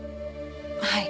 はい。